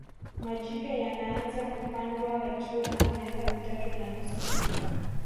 majike yanaanza kupandwa yakiwa na miaka mitatu na nusu